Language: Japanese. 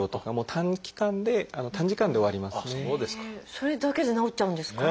それだけで治っちゃうんですか？